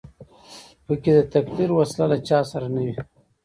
په کې د تکفیر وسله له چا سره نه وي.